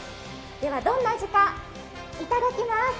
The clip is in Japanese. では、どんな味かいただきまーす。